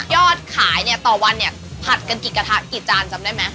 ยอดขายต่อวันผัดกันกี่กระทะกี่จานจำได้ไหม